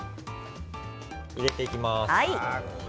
入れていきます。